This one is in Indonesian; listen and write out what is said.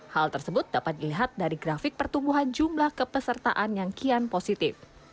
hal tersebut dapat dilihat dari grafik pertumbuhan jumlah kepesertaan yang kian positif